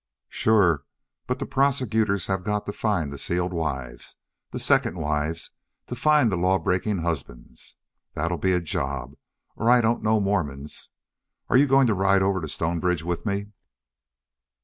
"Sure. But the prosecutors have got to find the sealed wives the second wives to find the law breaking husbands. That'll be a job, or I don't know Mormons.... Are you going to ride over to Stonebridge with me?"